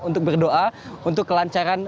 untuk berdoa untuk kelancaran